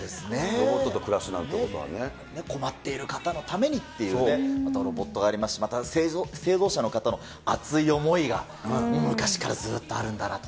ロボットと暮らすなんてこと困っている方のためにっていうね、ロボットがあります、また、製造者の方の熱い思いが、昔からずっとあるんだなと。